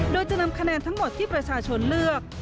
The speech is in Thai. โดยจะนำคะแนนทั้งหมดที่ประชาชนเลือก